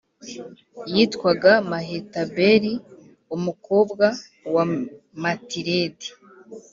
yitwaga Mehetabeli umukobwa wa Matiredi